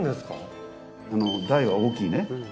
「大」は「大きい」ね。